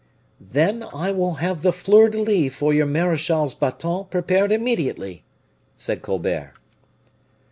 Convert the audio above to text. "Then I will have the fleurs de lis for your marechal's baton prepared immediately," said Colbert.